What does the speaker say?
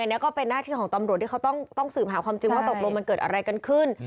อันนี้ก็เป็นหน้าที่ของตำรวจที่เขาต้องสืบหาความจริงว่าตกลงมันเกิดอะไรกันขึ้น